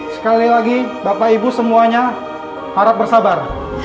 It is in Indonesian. sekali lagi bapak ibu semuanya harap bersabar